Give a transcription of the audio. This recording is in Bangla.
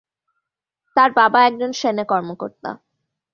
তার বাবা একজন সেনা কর্মকর্তা।